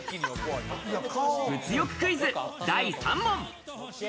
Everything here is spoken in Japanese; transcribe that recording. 物欲クイズ第３問。